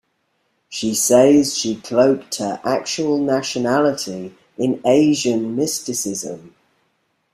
She says she cloaked her actual nationality in Asian mysticism.